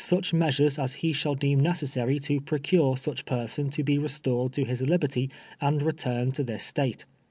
toko siic h measures as he shall cli'cm neeossary to procure such porson to be restored to his libert} and returned to this State.